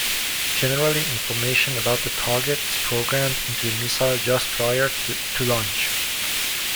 Generally, information about the target is programmed into the missile just prior to launch.